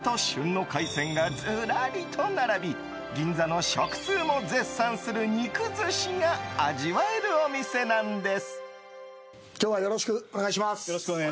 ケースには最高級和牛と旬の海鮮がずらりと並び銀座の食通も絶賛する肉寿司が味わえるお店なんです。